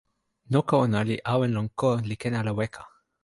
noka ona li awen lon ko, li ken ala weka.